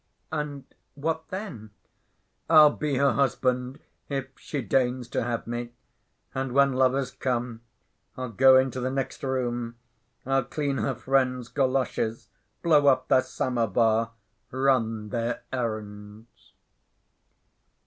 "And what then?" "I'll be her husband if she deigns to have me, and when lovers come, I'll go into the next room. I'll clean her friends' goloshes, blow up their samovar, run their errands."